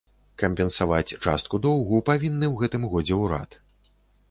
Кампенсаваць частку доўгу павінны ў гэтым годзе ўрад.